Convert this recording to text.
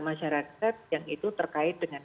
masyarakat yang itu terkait dengan